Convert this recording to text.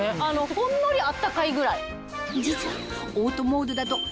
ほんのり温かいぐらい。